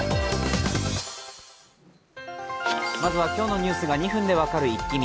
まずは今日のニュースが２分で分かるイッキ見。